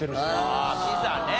ああピザね。